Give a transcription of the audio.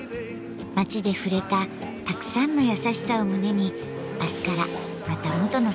街で触れたたくさんの優しさを胸に明日からまた元の生活に戻ります。